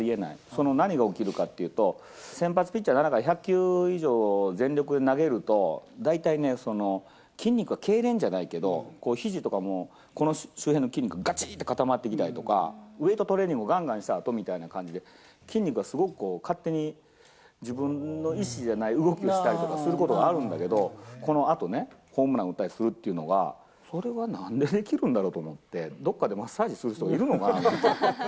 その、何が起きるかっていうと、先発ピッチャー７回１００球以上、全力で投げると、大体ね、筋肉はけいれんじゃないけど、ひじとかも、この周辺の筋肉もがちって固まってきたりとか、ウエートトレーニングをがんがんしたあとみたいな感じで、筋肉がすごく勝手に、自分の意思じゃない動きをしたりとかすることがあるんだけど、このあとね、ホームラン打ったりするっていうのが、それはなんでできるんだろうと思って、どっかでマッサージする人でもいるのかなと思って。